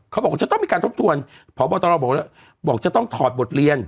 เขาบอกว่าจะต้องมีการทบทวนเพราะว่าตอนเราบอกแล้วบอกจะต้องถอดบทเรียน